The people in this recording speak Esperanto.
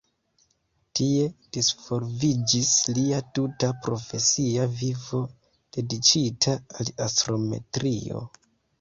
Tie disvolviĝis lia tuta profesia vivo dediĉita al astrometrio.